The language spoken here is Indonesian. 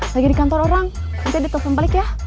lagi di kantor orang nanti ditelepon balik ya